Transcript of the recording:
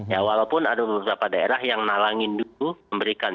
ya walaupun ada beberapa daerah yang nalangin